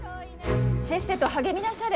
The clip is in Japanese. せっせと励みなされ。